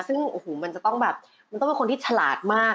ซึ่งโอ้โหมันจะต้องแบบมันต้องเป็นคนที่ฉลาดมาก